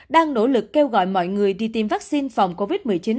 đang nỗ lực kêu gọi mọi người đi tiêm vaccine phòng covid một mươi chín